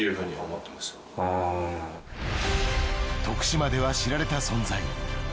徳島では知られた存在。